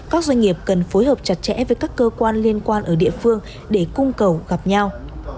các doanh nghiệp cần phối hợp chặt chẽ với các cơ quan liên quan ở địa phương để cung cầu gặp nhau